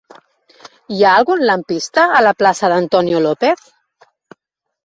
Hi ha algun lampista a la plaça d'Antonio López?